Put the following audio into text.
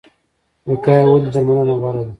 وقایه ولې له درملنې غوره ده؟